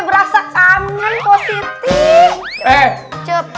mesti dirain siapa